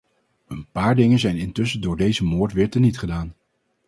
Een paar dingen zijn intussen door deze moord weer teniet gedaan.